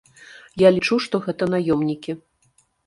Я лічу, што гэта наёмнікі.